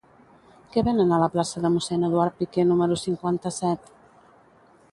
Què venen a la plaça de Mossèn Eduard Piquer número cinquanta-set?